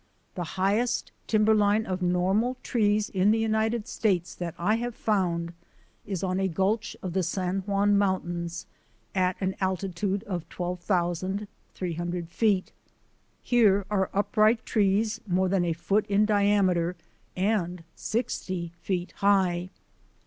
The highest tim berline of normal trees in the United States that I have found is on a gulch of the San Juan Mountains at an altitude of 12,300 feet. Here are upright trees more than a foot in diameter and 60 feet high.